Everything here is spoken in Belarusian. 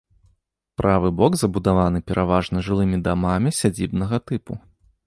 Правы бок забудаваны пераважна жылымі дамамі сядзібнага тыпу.